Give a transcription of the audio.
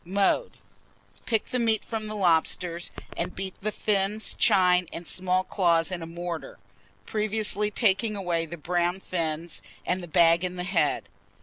Mode. Pick the meat from the lobsters, and beat the fins, chine, and small claws in a mortar, previously taking away the brown fin and the bag in the head.